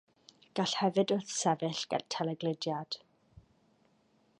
Gall hefyd wrthsefyll telegludiad.